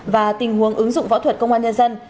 và tình huống ứng dụng võ thuật công an nhân dân